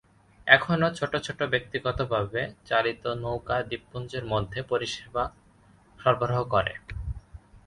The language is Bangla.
এখনও ছোট ছোট ব্যক্তিগতভাবে চালিত নৌকা দ্বীপপুঞ্জের মধ্যে পরিষেবা সরবরাহ করে।